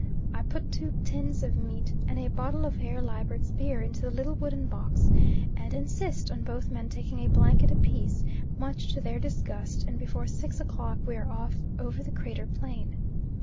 I put two tins of meat and a bottle of Herr Liebert's beer into the little wooden box, and insist on both men taking a blanket apiece, much to their disgust, and before six o'clock we are off over the crater plain.